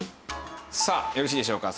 さあよろしいでしょうか？